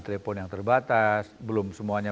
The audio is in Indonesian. telepon yang terbatas belum semuanya